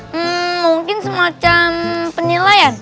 hmmm mungkin semacam penilaian